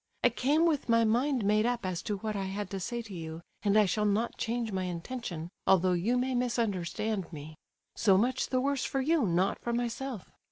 I came with my mind made up as to what I had to say to you, and I shall not change my intention, although you may misunderstand me. So much the worse for you, not for myself!